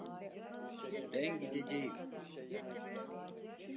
Ben gideceğim.